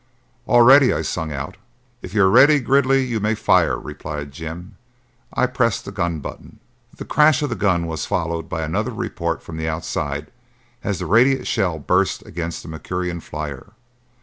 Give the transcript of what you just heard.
"All ready!" I sung out. "If you are ready, Gridley, you may fire!" replied Jim. I pressed the gun button. The crash of the gun was followed by another report from outside as the radite shell burst against the Mercurian flyer.